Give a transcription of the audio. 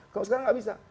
kalau sekarang gak bisa